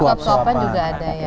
suap suapan juga ada ya